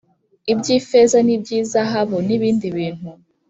iby’ifeza n’iby’izahabu n’ibindi bintu